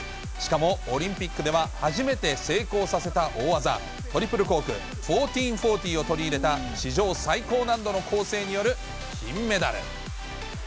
しかもオリンピックでは、初めて成功させた大技、トリプルコーク１４４０を取り入れた史上最高難度の構成による金メダル。